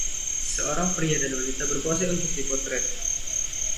Seorang pria dan wanita berpose untuk dipotret